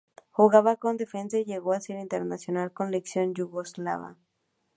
Jugaba como defensa y llegó a ser internacional con la selección yugoslava.